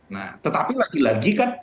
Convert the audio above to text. nah tetapi lagi lagi kan